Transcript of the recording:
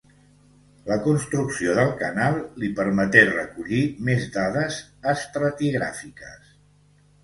La construcció del canal li permeté recollir més dades estratigràfiques.